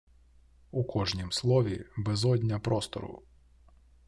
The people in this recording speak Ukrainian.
У кожнім слові безодня простору.